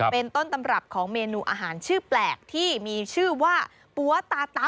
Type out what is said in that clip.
เป็นต้นตำรับของเมนูอาหารชื่อแปลกที่มีชื่อว่าปั๊วตาตะ